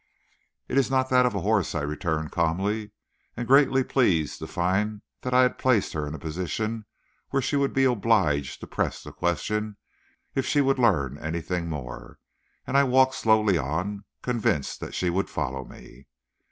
"It is not that of a horse," I returned, calmly. And greatly pleased to find that I had placed her in a position where she would be obliged to press the question if she would learn anything more, I walked slowly on, convinced that she would follow me.